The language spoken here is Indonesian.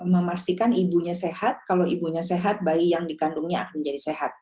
memastikan ibunya sehat kalau ibunya sehat bayi yang dikandungnya akan menjadi sehat